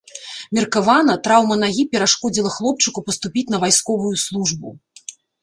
Меркавана, траўма нагі перашкодзіла хлопчыку паступіць на вайсковую службу.